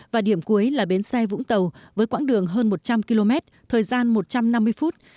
và điểm cuối là bến xe vũng tàu với quãng đường hơn một trăm linh km thời gian một trăm năm mươi phút